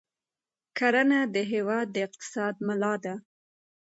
کرنه د هېواد د اقتصاد ملا ده.